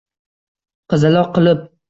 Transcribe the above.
qizaloq qilib